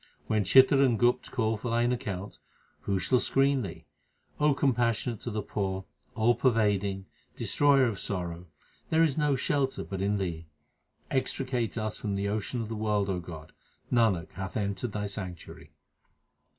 When Chitr and Gupt call for thine account, who shall screen thee ? O Compassionate to the poor, All pervading, Destroyer of sorrow, there is no shelter but in Thee. Extricate us from the ocean of the world, O God ; Nanak hath entered Thy sanctuary.